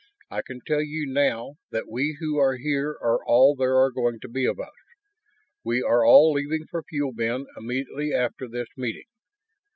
"I can tell you now that we who are here are all there are going to be of us. We are all leaving for Fuel Bin immediately after this meeting.